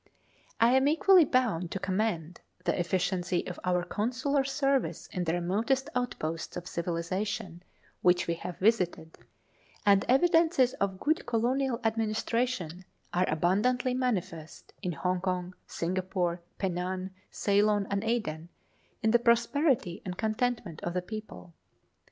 I am equally bound to commend the efficiency of our consular service in the remotest outposts of civilisation which we have visited; and evidences of good colonial administration are abundantly manifest in Hongkong, Singapore, Penang, Ceylon, and Aden, in the prosperity and contentment of the people.